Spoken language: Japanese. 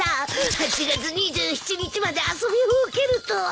８月２７日まで遊びほうけるとは。